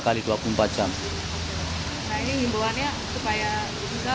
nah ini himbauannya supaya bisa